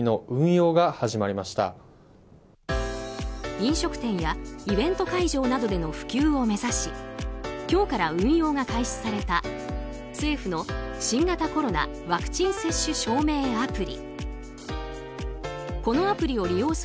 飲食店やイベント会場などでの普及を目指し今日から運用が開始された政府の新型コロナワクチン接種証明アプリ。